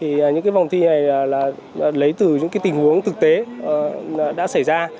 thì những vòng thi này là lấy từ những cái tình huống thực tế đã xảy ra